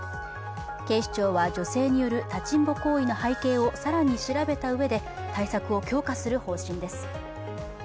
警視庁は女性による立ちんぼ行為の背景を更に調べたうえで対策を強化する方針です。